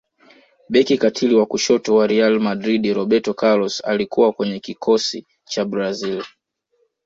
beki katili wa kushoto wa real madrid roberto carlos alikuwa kwenye kikosi cha brazil